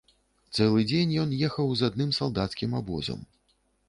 Цэлы дзень ён ехаў з адным салдацкім абозам.